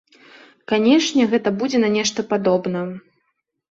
Канечне, гэта будзе на нешта падобна.